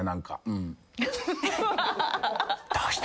うん。